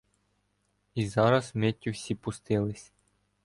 І зараз миттю всі пустились